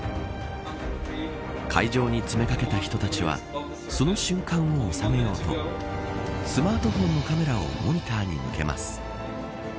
会場に詰め掛けた人たちはその瞬間を収めようとスマートフォンのカメラをモニターに向けます。